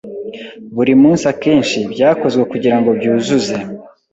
buri munsi akenshi byakozwe kugirango byuzuze